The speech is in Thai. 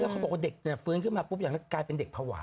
เขาบอกเด็กฟื้นขึ้นมาปุ้บยังได้กลายเป็นเด็กภาวะ